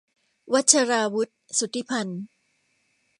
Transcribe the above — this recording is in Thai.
วัชราวุธ สุทธิพันธ์